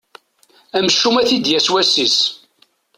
Amcum ad t-id-yas wass-is.